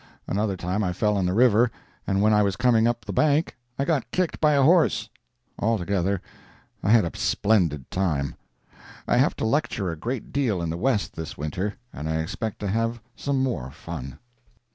Another time I fell in the river, and when I was coming up the bank I got kicked by a horse. Altogether I had a splendid time. I have to lecture a great deal in the West this winter, and I expect to have some more fun.